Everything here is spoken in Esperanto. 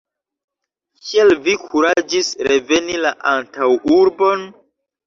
Kiel vi kuraĝis reveni la antaŭurbon?